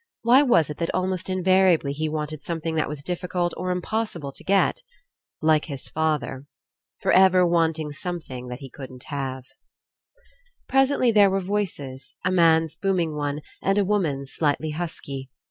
Why was it that almost invariably he wanted something that was difficult or impossible to get? Like his father. For ever wanting some thing that he couldn't have. Presently there were voices, a man's booming one and a woman's slightly husky.